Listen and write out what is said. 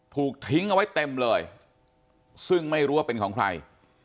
ถูกทิ้งเอาไว้เต็มเลยซึ่งไม่รู้ว่าเป็นของใคร